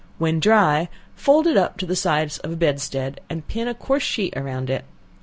When dry, fold it up the size of a bedstead, and pin a coarse sheet round it.